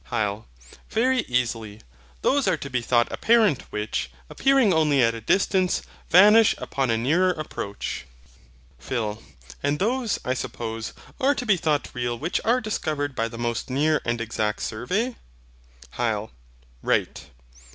HYL. Very easily. Those are to be thought apparent which, appearing only at a distance, vanish upon a nearer approach. PHIL. And those, I suppose, are to be thought real which are discovered by the most near and exact survey. HYL. Right.